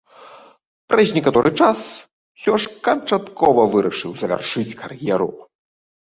Праз некаторы час усё ж канчаткова вырашыў завяршыць кар'еру.